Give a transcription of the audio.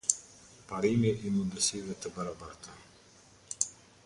Parimi i mundësive të barabarta.